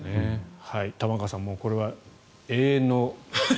玉川さんこれは永遠の。